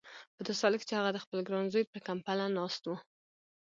په داسې حال کې چې هغه د خپل ګران زوی پر کمبله ناست و.